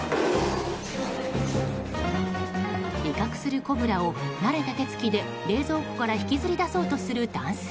威嚇するコブラを慣れた手つきで冷蔵庫から引きずり出そうとする男性。